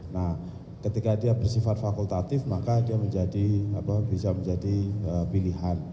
nah ketika dia bersifat fakultatif maka dia bisa menjadi pilihan